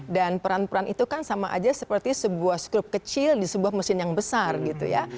dan peran peran itu kan sama aja seperti sebuah skrup kecil di sebuah mesin yang besar gitu ya